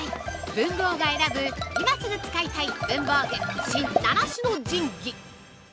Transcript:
文具王が選ぶ今すぐ使いたい文房具「新７種の神器」